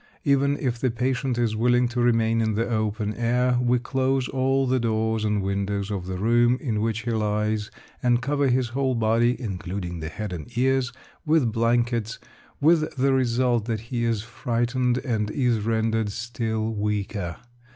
Even if the patient is willing to remain in the open air, we close all the doors and windows of the room in which he lies, and cover his whole body (including the head and ears) with blankets, with the result that he is frightened, and is rendered still weaker.